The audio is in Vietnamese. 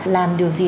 làm điều gì